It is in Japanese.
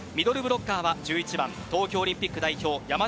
ミドルブロッカーは１１番東京オリンピック代表